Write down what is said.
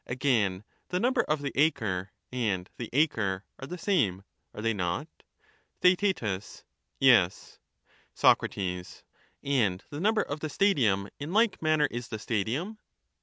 Again, the Yiumber of the acre and the acre are the same ; are they not ? Theaet. Yes. Soc. And the number of the stadium in like manner is the stadium